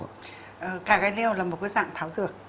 cà gai leo là một dạng thảo sược